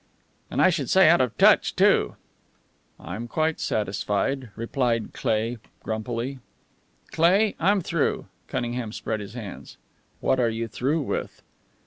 "And I should say out of touch, too." "I'm quite satisfied," replied Cleigh, grumpily. "Cleigh, I'm through." Cunningham spread his hands. "What are you through with?"